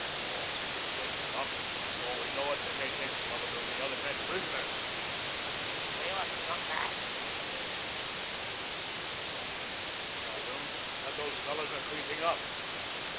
They all seem to be edging up, and before we know it they may take the Governor and the other men prisoners." "They ought to come back," declared Annixter. "Somebody ought to tell them that those fellows are creeping up."